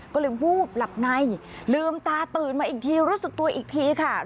ก็เลยวูบหลับในลืมตาตื่นมาอีกทีรู้สึกตัวอีกทีค่ะ